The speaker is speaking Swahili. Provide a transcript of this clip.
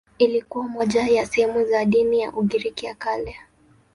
Ilikuwa moja ya sehemu za dini ya Ugiriki ya Kale.